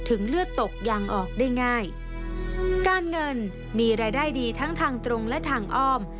เลือดตกยางออกได้ง่ายการเงินมีรายได้ดีทั้งทางตรงและทางอ้อม